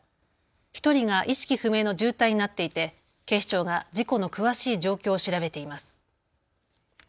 １人が意識不明の重体になっていて警視庁が事故の詳しい状況を調べています。